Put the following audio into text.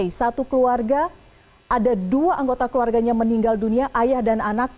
satu keluarga ada dua anggota keluarganya meninggal dunia ayah dan anak